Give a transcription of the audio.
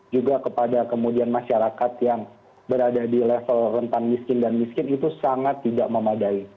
juga kepada kemudian masyarakat yang berada di level rentan miskin dan miskin itu sangat tidak memadai